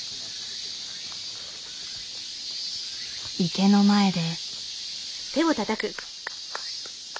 池の前で。